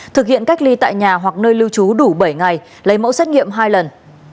thực hiện cách ly tại nhà hoặc nơi lưu trú đủ bảy ngày lấy mẫu xét nghiệm hai lần